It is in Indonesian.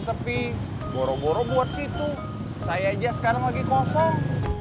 sepi boro boro buat situ saya aja sekarang lagi kosong